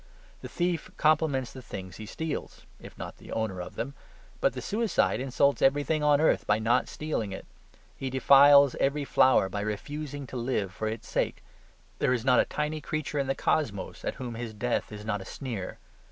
The thief compliments the things he steals, if not the owner of them. But the suicide insults everything on earth by not stealing it. He defiles every flower by refusing to live for its sake. There is not a tiny creature in the cosmos at whom his death is not a sneer.